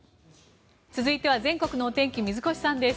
続いては全国の天気水越さんです。